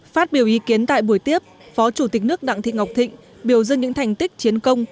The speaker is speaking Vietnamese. phát biểu ý kiến tại buổi tiếp phó chủ tịch nước đặng thị ngọc thịnh biểu dương những thành tích chiến công